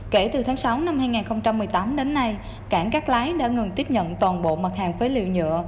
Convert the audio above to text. kể từ tháng sáu năm hai nghìn một mươi tám đến nay cảng cát lái đã ngừng tiếp nhận toàn bộ mặt hàng phế liệu nhựa